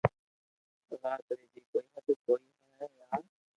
وات ري بي ڪوئي ھد ھوئي ھي وار